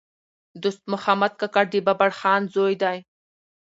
دوست محمد کاکړ د بابړخان زوی دﺉ.